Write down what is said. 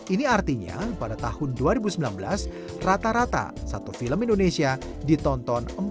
ini artinya pada tahun dua ribu sembilan belas rata rata satu film indonesia ditonton empat ratus ribu orang